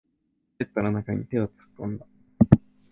ポケットの中に手を突っ込んだ。